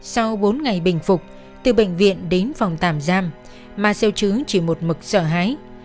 sau bốn ngày bình phục từ bệnh viện đến phòng tạm giam marcel chứ chỉ một mực sợ hái